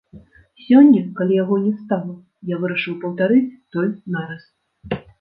Сёння, калі яго не стала, я вырашаў паўтарыць той нарыс.